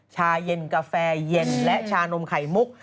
ชาเย็นกาแฟเย็นและชานมไข่มุก